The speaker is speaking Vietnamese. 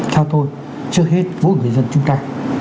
theo tôi trước hết mỗi người dân chúng ta